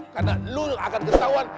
karena lu yang akan ketahuan